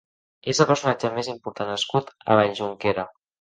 És el personatge més important nascut a Valljunquera.